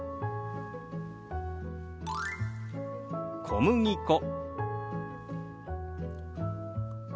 「小麦粉」。